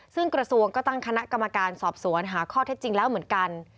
ซึ่งกระทรวงก็ตั้งคณะกรรมการสอบสวนหาข้อเท็จจริงแล้วเหมือนกัน